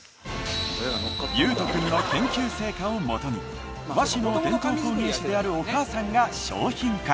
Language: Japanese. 優翔君の研究成果をもとに和紙の伝統工芸士であるお母さんが商品化。